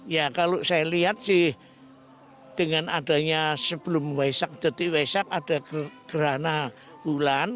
ya kalau saya lihat sih dengan adanya sebelum waisak detik waisak ada gerhana bulan